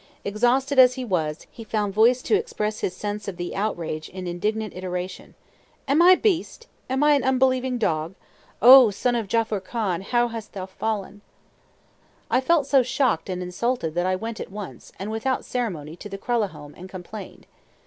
Exhausted as he was, he found voice to express his sense of the outrage in indignant iteration. "Am I a beast? Am I an unbelieving dog? O son of Jaffur Khan, how hast thou fallen!" I felt so shocked and insulted that I went at once, and without ceremony, to the Kralahome, and complained.